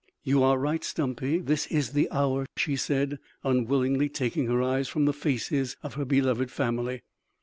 "You are right, Stumpy; this is the hour," she said, unwillingly taking her eyes from the faces of her beloved family.